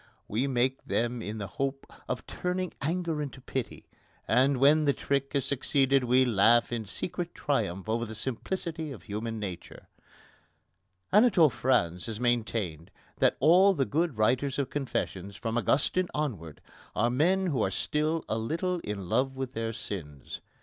We make them in the hope of turning anger into pity, and when the trick has succeeded we laugh in secret triumph over the simplicity of human nature. Anatole France has maintained that all the good writers of confessions, from Augustine onwards, are men who are still a little in love with their sins.